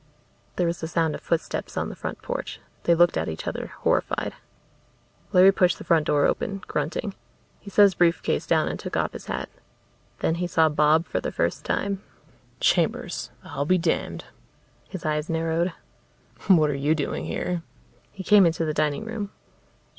There was the sound of footsteps on the front porch. They looked at each other, horrified. Larry pushed the front door open, grunting. He set his briefcase down and took off his hat. Then he saw Bob for the first time. "Chambers. I'll be damned." His eyes narrowed. "What are you doing here?" He came into the dining room.